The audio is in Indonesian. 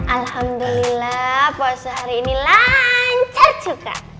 alhamdulillah puasa hari ini lancar juga